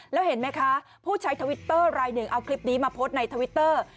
แล้วเห็นไหมคะผู้ใช้ทวิตเตอร์รายหนึ่งเอาคลิปนี้มาโพสต์ในทวิตเตอร์